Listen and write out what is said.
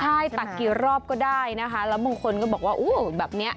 ใช่ตักกี่รอบก็ได้นะคะแล้วบางคนก็บอกว่าโอ้แบบนี้